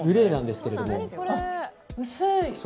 薄い！